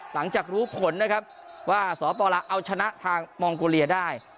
หลังจากรู้ผลนะครับว่าสปลาวเอาชนะทางมองโกเลียได้